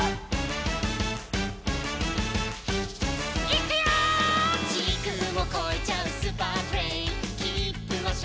「いくよー！」